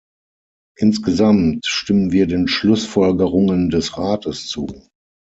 Insgesamt stimmen wir den Schlussfolgerungen des Rates zu.